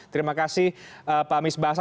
terima kasih pak misbahasa